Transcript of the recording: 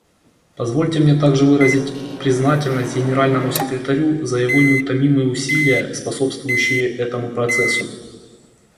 Позвольте мне также выразить признательность Генеральному секретарю за его неутомимые усилия, способствующие этому процессу.